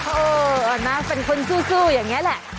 เออนะเป็นคนสู้อย่างนี้แหละ